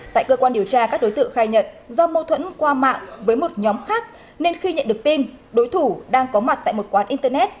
tại cơ quan điều tra các đối tượng khai nhận do mâu thuẫn qua mạng với một nhóm khác nên khi nhận được tin đối thủ đang có mặt tại một quán internet